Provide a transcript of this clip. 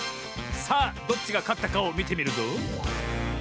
さあどっちがかったかをみてみるぞ。